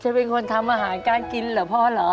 เป็นคนทำอาหารการกินเหรอพ่อเหรอ